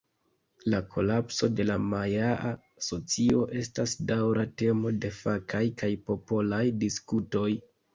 La kolapso de la majaa socio estas daŭra temo de fakaj kaj popolaj diskutoj.